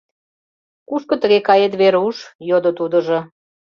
— Кушко тыге кает, Веруш? — йодо тудыжо.